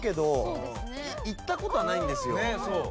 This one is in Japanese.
そう。